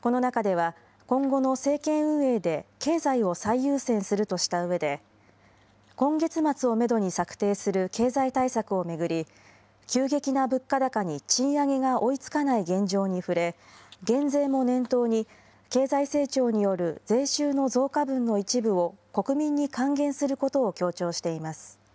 この中では、今後の政権運営で経済を最優先するとしたうえで、今月末をメドに策定する経済対策を巡り、急激な物価高に賃上げが追いつかない現状に触れ、減税も念頭に、経済成長による税収の増加分の一部を国民に還元することを強調しています。